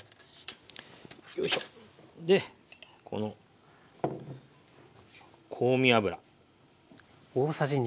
でこの香味油。